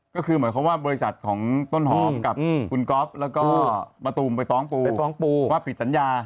ก็คือหมายความว่าบริษัทของต้นหอมกับคุณก๊อฟแล้วก็มะตูมไปฟ้องปูไปฟ้องปูว่าผิดสัญญา